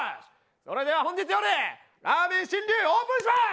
それでは本日夜、ラーメンしんりゅう、オープンします。